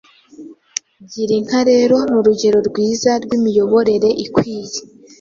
Gira inka rero ni urugero rwiza rw’imiyoborere ikwiye.